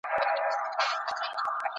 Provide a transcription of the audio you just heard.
پورته پر منبر چي زموږ بلال او آذان وویني